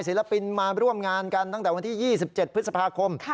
ศิลปินมาร่วมงานกันตั้งแต่วันที่๒๗พฤษภาคม